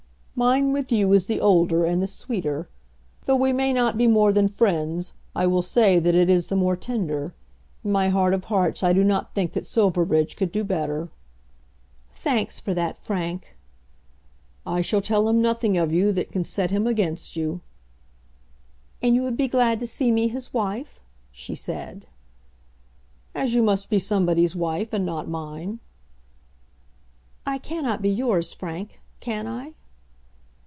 "Mine with you is the older, and the sweeter. Though we may not be more than friends, I will say that it is the more tender. In my heart of hearts I do not think that Silverbridge could do better." "Thanks for that, Frank." "I shall tell him nothing of you that can set him against you." "And you would be glad to see me his wife?" she said. "As you must be somebody's wife, and not mine." "I cannot be yours, Frank; can I?"